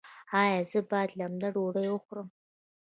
ایا زه باید لمده ډوډۍ وخورم؟